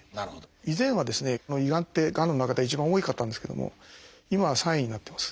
以前はですねこの胃がんってがんの中では一番多かったんですけども今は３位になってます。